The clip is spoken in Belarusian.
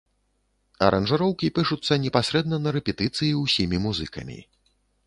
Аранжыроўкі пішуцца непасрэдна на рэпетыцыі ўсімі музыкамі.